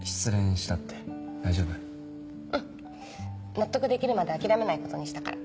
納得できるまで諦めないことにしたから。